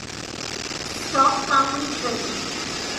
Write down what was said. stock Kangri trekking